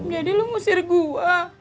jadi lu ngusir gue